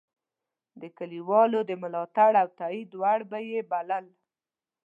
د کلیوالو د ملاتړ او تایید وړ به یې بلل.